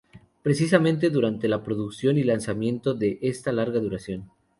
Precisamente durante la producción y lanzamiento de este larga duración.